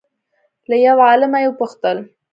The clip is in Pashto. له یو عالمه یې وپوښتل